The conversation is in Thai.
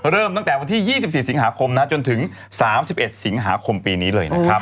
เริ่มตั้งแต่วันที่๒๔สิงหาคมจนถึง๓๑สิงหาคมปีนี้เลยนะครับ